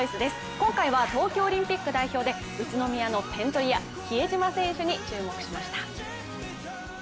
今回は東京オリンピックで宇都宮の点取り屋比江島選手に注目しました。